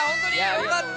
よかった。